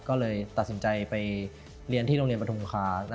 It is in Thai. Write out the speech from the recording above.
ก็เลยตัดสินใจไปเรียนที่โรงเรียนประทุมคา